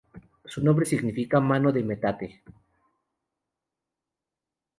Su nombre significa mano de metate.